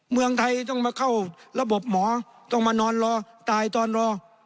เมืองไทยต้องมาเข้าระบบหมอต้องมานอนรอตายตอนรอ